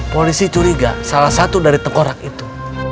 polisi curiga salah satu dari tengkorak itu